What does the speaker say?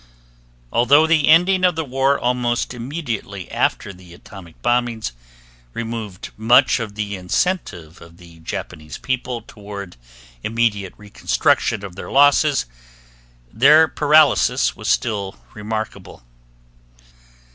Although the ending of the war almost immediately after the atomic bombings removed much of the incentive of the Japanese people toward immediate reconstruction of their losses, their paralysis was still remarkable.